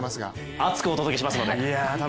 熱くお届けしますので。